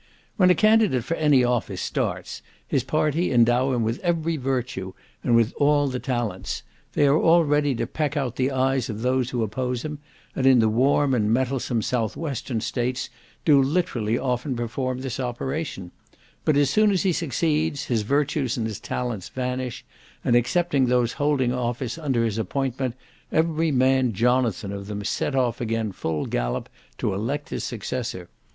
When a candidate for any office starts, his party endow him with every virtue, and with all the talents. They are all ready to peck out the eyes of those who oppose him, and in the warm and mettlesome south western states, do literally often perform this operation: but as soon as he succeeds, his virtues and his talents vanish, and, excepting those holding office under his appointment, every man Jonathan of them set off again full gallop to elect his successor.